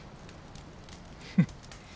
フッ。